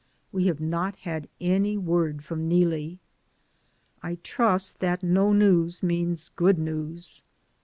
We have not had any word from Neelie. I trust that no news means good news.